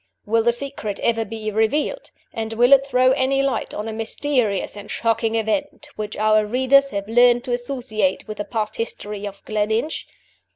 Will the secret ever be revealed? And will it throw any light on a mysterious and shocking event which our readers have learned to associate with the past history of Gleninch?